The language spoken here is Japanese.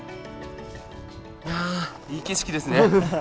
いやー、いい景色ですね。